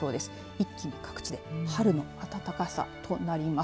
一気に各地で春の暖かさとなります。